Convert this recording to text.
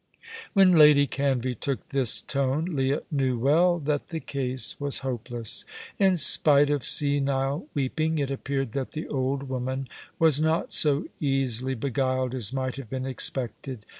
When Lady Canvey took this tone Leah knew well that the case was hopeless. In spite of senile weeping, it appeared that the old woman was not so easily beguiled as might have been expected.